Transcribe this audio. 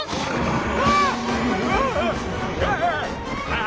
ああ！